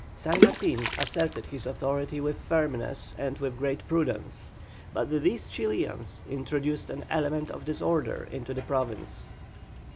San Martin asserted his authority with firmness and with great prudence, but these Chilians introduced an element of disorder into the Province.